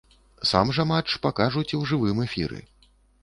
Сам жа матч пакажуць у жывым эфіры.